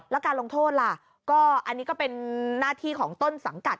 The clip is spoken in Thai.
แล้วการลงโทษล่ะก็อันนี้ก็เป็นหน้าที่ของต้นสังกัด